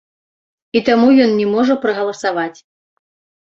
І таму ён не можа прагаласаваць.